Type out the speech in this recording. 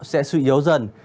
sẽ suy yếu dần